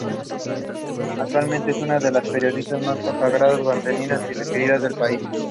Actualmente es una de las periodistas más consagradas veteranas y queridas del país.